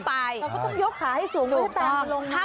เราก็ต้องยกขาให้สูงให้แตงลงมา